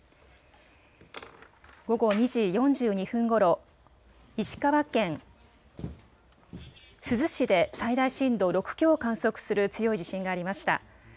午後２時４２分ごろ、石川県珠洲市で最大震度６強を観測する強い地震がありました。